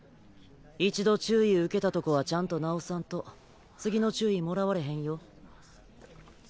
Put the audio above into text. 一度注意受けたとこはちゃんと直さんと次の注意もらわれへんよ。